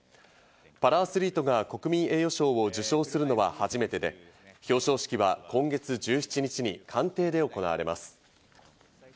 パラアスリートが国民栄誉賞を受賞するのは初めてで、表彰式は今月１７日に官邸で行われます。